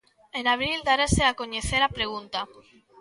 En abril darase a coñecer a pregunta.